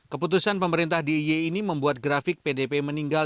keputusan pemerintah d i y ini membuat grafik pdp meninggal